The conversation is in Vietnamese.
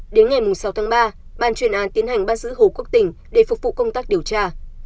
đến ngày sáu tháng ba ban chuyên án tiến hành bắt giữ hồ quốc tỉnh để phục vụ công tác điều tra